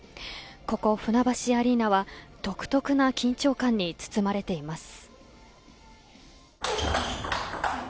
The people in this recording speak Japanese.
ここ、船橋アリーナは独特な緊張感に包まれています。